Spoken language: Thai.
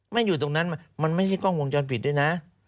อยู่ตรงนั้นมันไม่ใช่กล้องวงจรปิดด้วยนะ